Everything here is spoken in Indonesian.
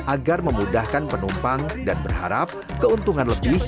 agar memudahkan penumpang dan berharap keuntungan lebih